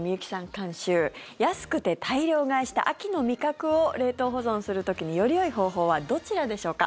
監修安くて大量買いした秋の味覚を冷凍保存する時によりよい方法はどちらでしょうか。